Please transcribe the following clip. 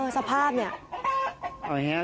สภาพเนี่ย